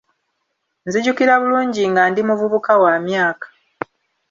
Nzijukira bulungi nga ndi muvubuka wa myaka.